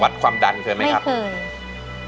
วัดความดันเคยไหมครับไม่เคย